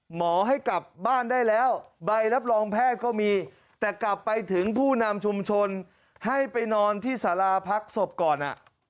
หมอให้กลับบ้านได้แล้วใบรับรองแพทย์ก็มีแต่กลับไปถึงผู้นำชุมชนให้ไปนอนที่สาราพักศพก่อน